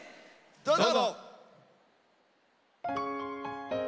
どうぞ。